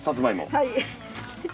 はい。